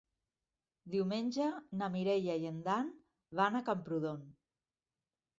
Diumenge na Mireia i en Dan van a Camprodon.